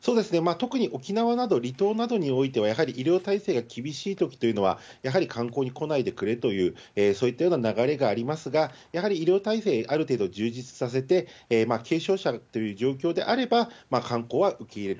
特に沖縄など離島などにおいては、やはり医療体制が厳しいときというのは、やはり観光に来ないでくれという、そういったような流れがありますが、やはり医療体制、ある程度充実させて、軽症者という状況であれば、観光は受け入れる。